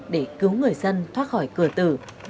để cứu người dân thoát khỏi cửa tử